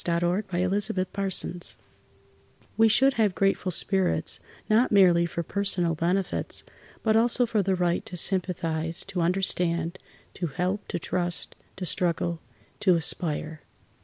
A SONG OF THANKSGIVING We should have grateful spirits, not merely for personal benefits, but also for the right to sympathize, to understand, to help, to trust, to struggle, to aspire.